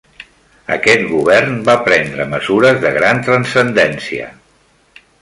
Aquest govern va prendre mesures de gran transcendència.